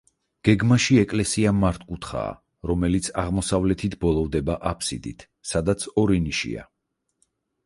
გეგმაში ეკლესია მართკუთხაა, რომელიც აღმოსავლეთით ბოლოვდება აფსიდით, სადაც ორი ნიშია.